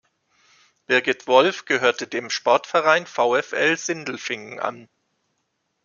Birgit Wolf gehörte dem Sportverein VfL Sindelfingen an.